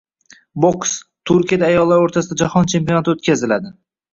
Boks: Turkiyada ayollar o‘rtasida jahon chempionati o‘tkaziladi